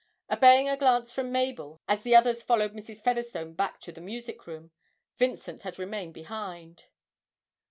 Obeying a glance from Mabel, as the others followed Mrs. Featherstone back to the music room, Vincent had remained behind.